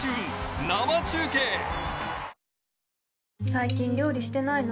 最近料理してないの？